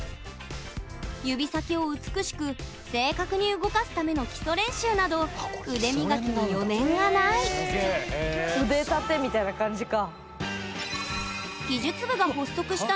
指先を美しく正確に動かすための基礎練習など腕磨きに余念がない歴史長いんだ。